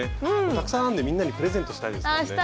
たくさん編んでみんなにプレゼントしたいですよね。